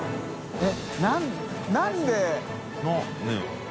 えっ！